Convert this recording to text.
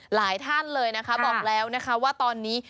หลายท่านเลยนะคะบอกแล้วนะคะว่าตอนนี้